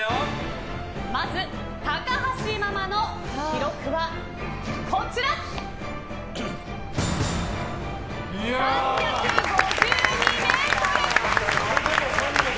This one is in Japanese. まず高橋ママの記録は３５２ｍ。